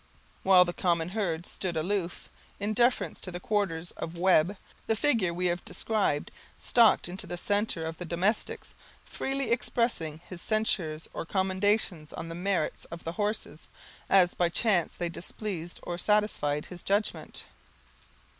While the common herd stood aloof, in deference to the quarters of Webb, the figure we have described stalked into the center of the domestics, freely expressing his censures or commendations on the merits of the horses, as by chance they displeased or satisfied his judgment.